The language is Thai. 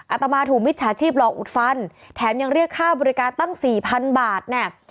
อาตมาถูกมิจฉาชีพหลอกอุดฟันแถมยังเรียกค่าบริการตั้งสี่พันบาทเนี่ย